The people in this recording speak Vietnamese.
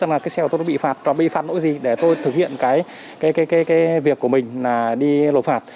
rằng là cái xe của tôi bị phạt bị phạt nguội gì để tôi thực hiện cái việc của mình là đi lột phạt